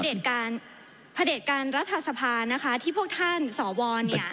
ประเด็จการประเด็จการรัฐสภานะคะที่พวกท่านสอวรเนี้ย